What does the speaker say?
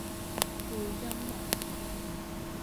背恩忘義